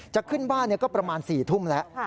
จะขึ้นบ้านก็ประมาณ๔ทุ่มแล้ว